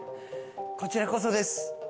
こちらこそです。